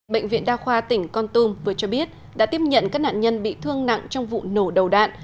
bệnh viện đa khoa tỉnh con tum vừa cho biết đã tiếp nhận các nạn nhân bị thương nặng trong vụ nổ đầu đạn